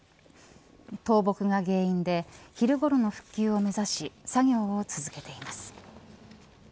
倒木が原因で昼ごろの復旧を目指し作業を続けています。